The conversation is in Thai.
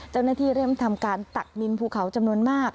เจ้าหน้าที่เริ่มทำการตักดินภูเขาจำนวนมาก